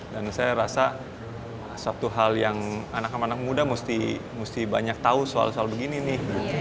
dan saya rasa satu hal yang anak anak muda mesti mesti banyak tahu soal soal begini nih